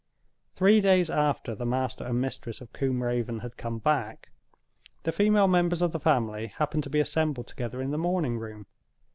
Three days after the master and mistress of Combe Raven had come back, the female members of the family happened to be assembled together in the morning room.